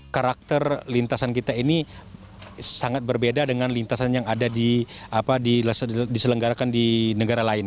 karakter lintasan kita ini sangat berbeda dengan lintasan yang diselenggarakan di negara lain